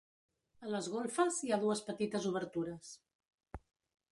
A les golfes, hi ha dues petites obertures.